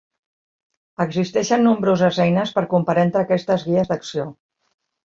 Existeixen nombroses eines per comparar entre aquestes guies d'acció.